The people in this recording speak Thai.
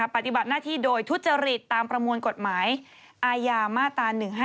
ปฏิบัติหน้าที่โดยทุจริตตามประมวลกฎหมายอาญามาตรา๑๕